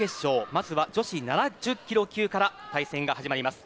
まずは女子７０キロ級から対戦が始まります。